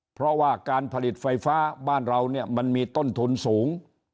เพราะว่าการผลิตไฟฟ้าบ้านเราเนี่ยมันมีต้นทุนสูง